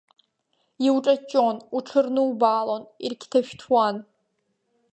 Иуҿаҷҷон, уҽырнубаалон, ирқьҭашәҭуан.